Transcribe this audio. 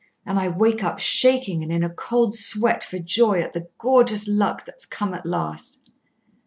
And I wake up shaking and in a cold sweat for joy at the gorgeous luck that's come at last."